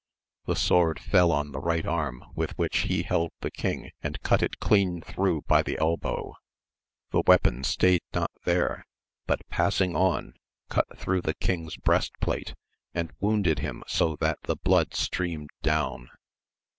The sword fell on the right arm with which he held the king, and cut it clean through by the elbow ; the weapon stayed not there, but passing on, cut through the king's breast plate, and wounded him so that the blood streamed down.